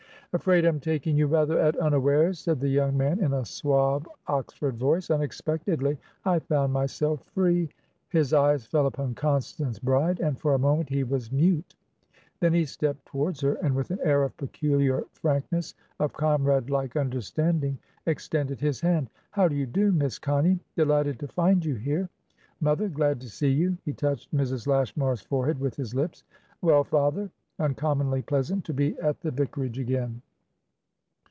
"Afraid I'm taking you rather at unawares," said the young man, in a suave Oxford voice. "Unexpectedly I found myself free" His eyes fell upon Constance Bride, and for a moment he was mute; then he stepped towards her, and, with an air of peculiar frankness, of comrade like understanding, extended his hand. "How do you do, Miss Connie! Delighted to find you hereMother, glad to see you." He touched Mrs. Lashmar's forehead with his lips. "Well, father? Uncommonly pleasant to be at the vicarage again!"